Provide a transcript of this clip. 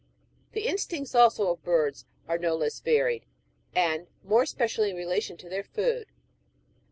The instincts, also, of birds are no less varied, and more es pecially in relation to their food.